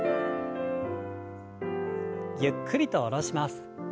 ゆっくりと下ろします。